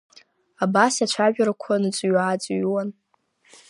Абас ацәажәарақәа ныҵыҩ-ааҵыҩуан.